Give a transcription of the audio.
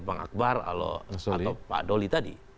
bang akbar atau pak doli tadi